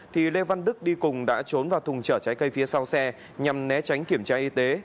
thì lê văn đức đi cùng đã trốn vào thùng trở trái cây phía sau xe nhằm né tránh kiểm tra y tế